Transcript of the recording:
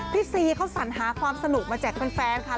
ซีเขาสัญหาความสนุกมาแจกแฟนค่ะ